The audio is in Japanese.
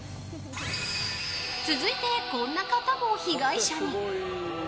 続いて、こんな方も被害者に。